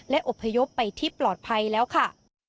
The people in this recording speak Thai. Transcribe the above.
และอบพยพไปที่ปลอดภัยแล้วค่ะ